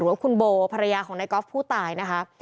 ว่าคุณโบภรรยาของนายกอล์ฟผู้ตายนะคะ